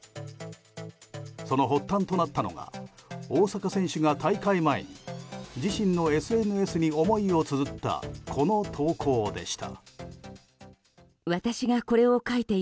その発端となったのが大坂選手が大会前に自身のＳＮＳに思いをつづったこの投稿でした。